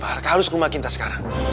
arka harus ke rumah kita sekarang